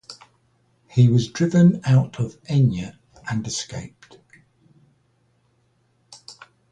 He was driven out of Enya and escaped.